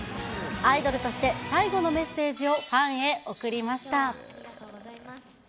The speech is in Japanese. アイドルとして最後のメッセージをファンへ送りました。